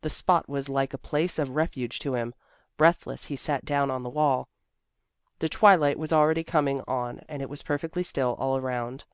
The spot was like a place of refuge to him. Breathless, he sat down on the wall. The twilight was already coming on and it was perfectly still all around.